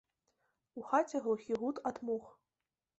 У хаце глухі гуд ад мух.